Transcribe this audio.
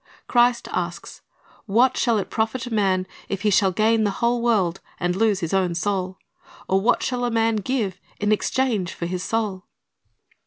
Christ asks, "What shall it profit a man, if he shall gain the whole world, and lose his own soul? or what shall a man give in exchange for his soul?"'